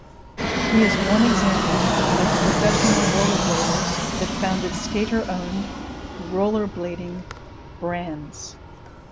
He is one example of professional rollerbladers that founded skater-owned rollerblading brands.